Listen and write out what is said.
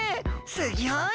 すギョい！